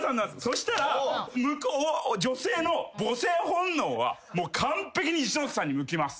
そしたら女性の母性本能は完璧に一ノ瀬さんに向きます。